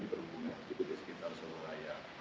di berhubungan di sekitar seluruh raya